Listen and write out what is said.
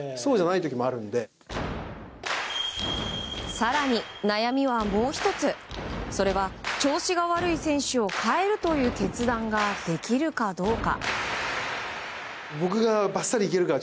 更に、悩みはもう１つそれは調子が悪い選手を代えるという決断ができるかどうか。